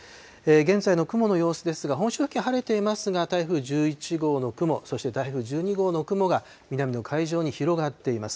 現在の雲の様子ですが、本州付近、晴れていますが、台風１１号の雲、そして台風１２号の雲が、南の海上に広がっています。